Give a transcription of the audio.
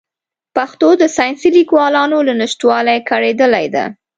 پښتو د ساینسي لیکوالانو له نشتوالي کړېدلې ده.